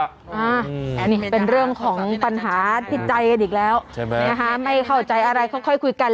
อันนี้เป็นเรื่องของปัญหาติดใจกันอีกแล้วใช่ไหมไม่เข้าใจอะไรค่อยคุยกัน